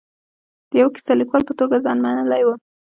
د یوه کیسه لیکوال په توګه ځان منلی و.